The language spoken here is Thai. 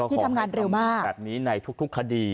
ที่ทำงานเร็วมากใช่ค่ะก็ขอให้ทำแบบนี้ในทุกคดี